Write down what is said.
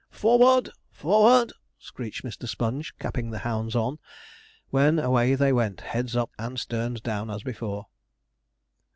'Forward! forward!' screeched Mr. Sponge, capping the hounds on, when away they went, heads up and sterns down as before.